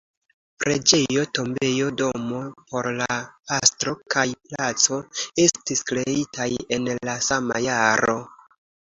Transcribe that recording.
Preĝejo, tombejo, domo por la pastro kaj placo estis kreitaj en la sama jaro.